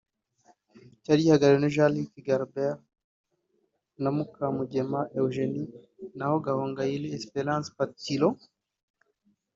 cyari gihagarariwe na Jean-Luc Galabert na Mukamugema Eugénie naho Gahongayire Espérance Patureau